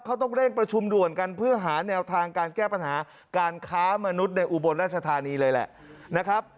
เขาต้องเร่งประชุมด่วนกันเพื่อหาแนวทางการแก้ปัญหาการค้ามนุษย์ในอุบลราชธานีเลยแหละนะครับ